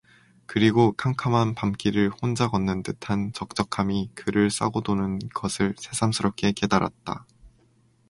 그리고 캄캄한 밤길을 혼자 걷는듯 한 적적함이 그를 싸고도는 것을 새삼스럽게 깨달았다.